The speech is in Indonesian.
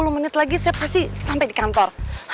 dua puluh menit lagi saya pasti sampai di kantor